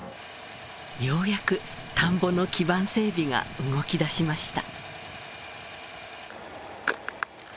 ようやく田んぼの基盤整備が動きだしました